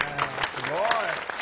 すごい。